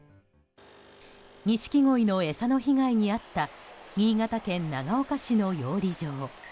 ニシキゴイの餌の被害に遭った新潟県長岡市の養鯉場。